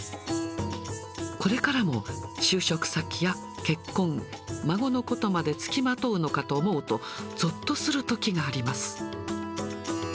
これからも就職先や結婚、孫のことまで付きまとうのかと思うと、ぞっとするときがあります。